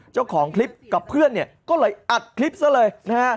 เจ้าของคลิปกับเพื่อนเนี่ยก็เลยอัดคลิปซะเลยนะฮะ